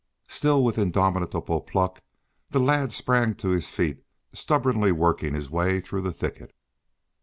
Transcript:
Still, with indomitable pluck, the lad sprang to his feet, stubbornly working his way through the thicket.